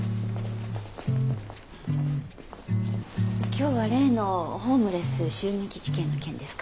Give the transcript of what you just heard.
今日は例のホームレス襲撃事件の件ですか？